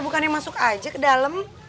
bukannya masuk aja ke dalam